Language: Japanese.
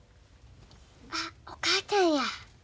あっお母ちゃんや。